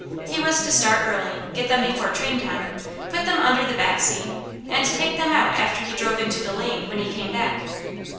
He was to start early, get them before train time, put them under the back seat, and take them out after he drove into the lane, when he came back.